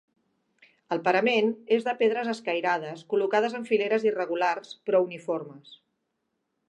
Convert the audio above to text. El parament és de pedres escairades col·locades en fileres irregulars però uniformes.